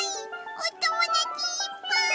おともだちいっぱい！